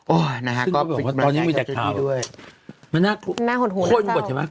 โอ้โฮนะฮะก็บอกว่าตอนนี้มีแต่คราวมันน่าห่วนหัวนะครับ